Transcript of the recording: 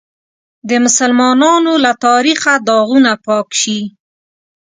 د مسلمانانو له تاریخه داغونه پاک شي.